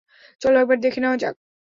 চলো একবার দেখে নেওয়া যাক।